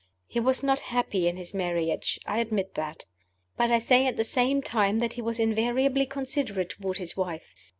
He was not happy in his marriage I admit that. But I say at the same time that he was invariably considerate toward his wife.